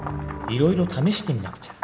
いろいろ試してみなくちゃ。